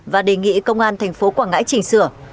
và đề nghị công an thành phố quảng ngãi chỉnh sửa